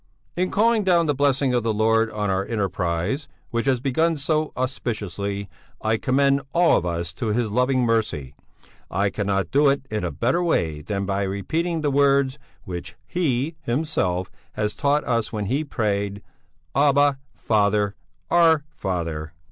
In calling down the blessing of the Lord on our enterprise, which has begun so auspiciously, I commend all of us to His loving mercy; I cannot do it in a better way than by repeating the words which He Himself has taught us when He prayed: 'Abba, Father Our Father....'"